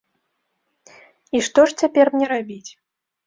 І што ж цяпер мне рабіць?